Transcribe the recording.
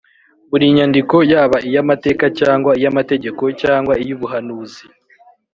buri nyandiko, yaba iy’amateka, cyangwa iy’amategeko, cyangwa iy’ubuhanuzi